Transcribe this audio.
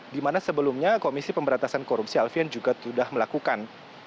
di mana sebelumnya komisi pemberantasan korupsi alfian juga sudah melakukan